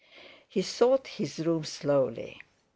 He sought his room slowly.